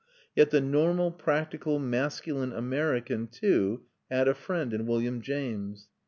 Yet the normal practical masculine American, too, had a friend in William James.